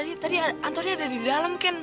ken tadi antonnya ada di dalam ken